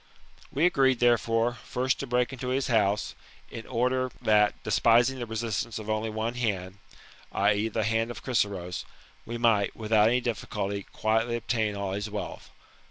" We agreed, therefore, first to break into his house, in order that, despising the resistance of only one hand, [i.e., of the hand of Chryseros, J we might, without any difficulty, quietly obtain all his wealth.